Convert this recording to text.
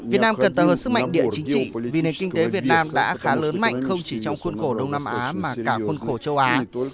việt nam cần tạo hơn sức mạnh địa chính trị vì nền kinh tế việt nam đã khá lớn mạnh không chỉ trong khuôn khổ đông nam á mà cả khuôn khổ châu á